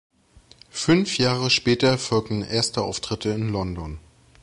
Fünf Jahre später folgten erste Auftritte in London.